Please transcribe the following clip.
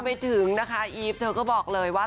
ไปถึงนะคะอีฟเธอก็บอกเลยว่า